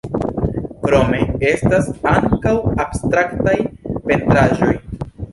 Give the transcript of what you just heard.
Krome, estas ankaŭ abstraktaj pentraĵoj.